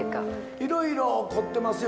いろいろ凝ってますよ。